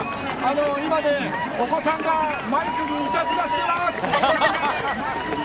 今、お子さんがマイクにいたずらしてます。